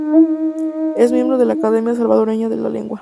Es miembro de la Academia Salvadoreña de la Lengua.